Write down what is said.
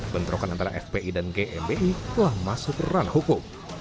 bentrokan antara fpi dan gnbi telah masuk teranah hukum